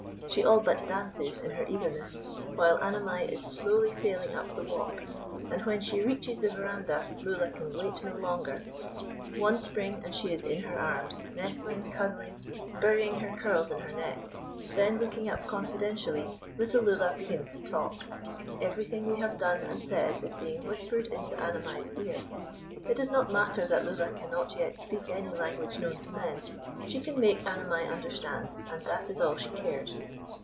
She all but dances in her eagerness, while Annamai is slowly sailing up the walk; and when she reaches the verandah, Lulla can wait no longer; one spring and she is in her arms, nestling, cuddling, burying her curls in her neck; then looking up confidentially, little Lulla begins to talk; everything we have done and said is being whispered into Annamai's ear. It does not matter that Lulla cannot yet speak any language known to men; she can make Annamai understand, and that is all she cares.